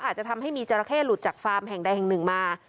อาจจะทำให้มีจราเข้หลุดจากฟาร์มแห่งใดแห่งหนึ่งมา